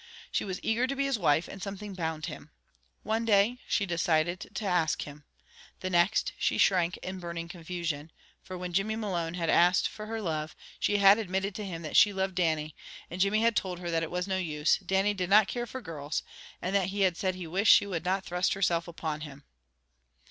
She was eager to be his wife, and something bound him. One day, she decided to ask him. The next, she shrank in burning confusion, for when Jimmy Malone had asked for her love, she had admitted to him that she loved Dannie, and Jimmy had told her that it was no use, Dannie did not care for girls, and that he had said he wished she would not thrust herself upon him.